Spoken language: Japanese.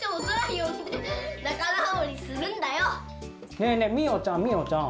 ねえねえみよちゃんみよちゃん。